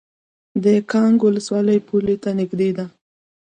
د کانګ ولسوالۍ پولې ته نږدې ده